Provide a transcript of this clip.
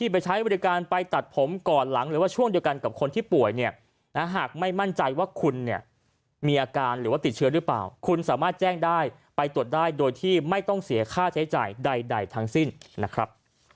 พักกันทุกหนึ่งนะครับ